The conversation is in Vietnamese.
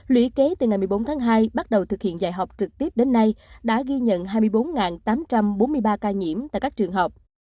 lũy kế từ ngày một mươi bốn tháng hai bắt đầu thực hiện dạy học trực tiếp đến nay đã ghi nhận hai mươi bốn tám trăm bốn mươi ba ca nhiễm tại các trường học